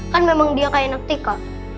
kan memang dia kayak anak tika